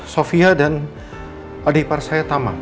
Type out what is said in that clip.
sofia dan adik par saya tama